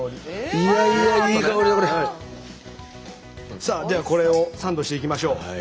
さあじゃあこれをサンドしていきましょう。